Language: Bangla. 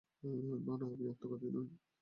না, না, আমি আত্মঘাতী নই।